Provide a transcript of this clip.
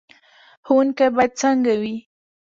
ښوونکی باید څنګه وي؟